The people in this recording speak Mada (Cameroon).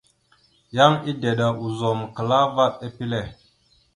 Yan edeɗa ozum klaa vaɗ epile.